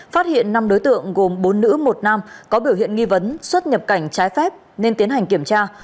phát hiện năm đối tượng gồm bốn nữ một nam có biểu hiện nghi vấn xuất nhập cảnh trái phép nên tiến hành kiểm tra